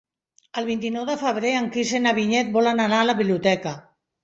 El vint-i-nou de febrer en Quirze i na Vinyet volen anar a la biblioteca.